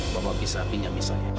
bapak bisa pinjam misalnya